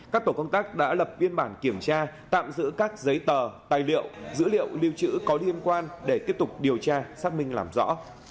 các tổ công tác đã lập biên bản kiểm tra tạm giữ các giấy tờ tài liệu dữ liệu lưu trữ có liên quan để tiếp tục điều tra xác minh làm rõ